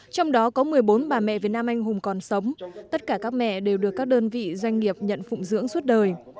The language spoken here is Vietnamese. trong đó có một mươi bốn bà mẹ việt nam anh hùng còn sống tất cả các mẹ đều được các đơn vị doanh nghiệp nhận phụng dưỡng suốt đời